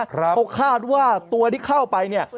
เขาคาดว่าตัวที่เข้าไปเนี่ย